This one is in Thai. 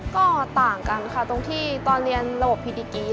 ก็ต่างกันค่ะตรงที่ตอนเรียนระบบพีดิกี